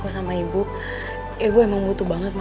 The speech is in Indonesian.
sampai jumpa di video selanjutnya